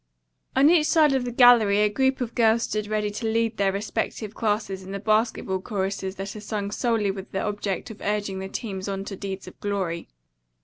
On each side of the gallery a group of girls stood ready to lead their respective classes in the basketball choruses that are sung solely With the object of urging the teams on to deeds of glory.